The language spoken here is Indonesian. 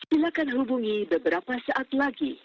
silakan hubungi beberapa saat lagi